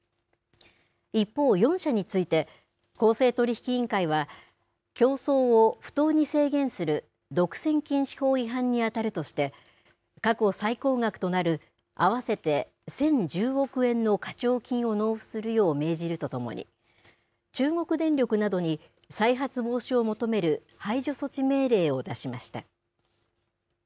一方、４社について公正取引委員会は競争を不当に制限する独占禁止法違反に当たるとして過去最高額となる、合わせて１０１０億円の課徴金を納付するよう命じるとともに中国電力などに再発防止を求める排除措置命令を出しました。